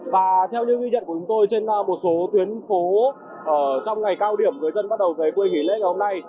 và theo những ghi nhận của chúng tôi trên một số tuyến phố trong ngày cao điểm người dân bắt đầu về quê nghỉ lễ ngày hôm nay